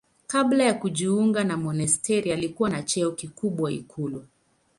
Kabla ya kujiunga na monasteri alikuwa na cheo kikubwa ikulu.